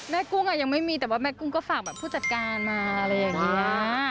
กุ้งยังไม่มีแต่ว่าแม่กุ้งก็ฝากแบบผู้จัดการมาอะไรอย่างนี้